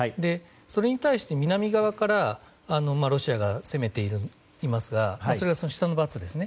それに対して、南側からロシアが攻めていますがそれが下のバツです。